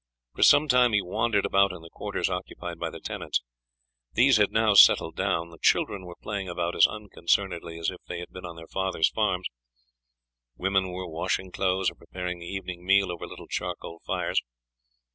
For some time he wandered about in the quarters occupied by the tenants. These had now settled down; the children were playing about as unconcernedly as if they had been on their fathers' farms; women were washing clothes or preparing the evening meal over little charcoal fires.